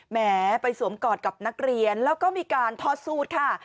แหมไปสวมกอดกับนักเรียนแล้วก็มีการทอดสูตรค่ะ